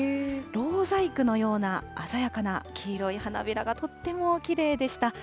ろう細工のような鮮やかな黄色い花びらが、とってもきれいでした。